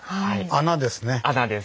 穴です。